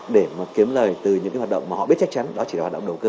để kiếm lời từ những hoạt động mà họ biết chắc chắn đó chỉ là hoạt động đầu cư